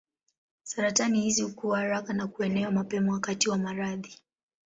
Saratani hizi hukua haraka na kuenea mapema wakati wa maradhi.